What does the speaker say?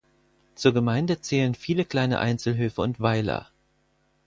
Zur Gemeinde zählen viele kleine Einzelhöfe und Weiler.